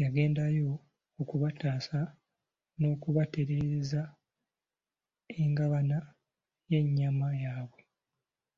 Yagendayo okubataasa n'okubatereereza engabana y'ennyama yaabwe.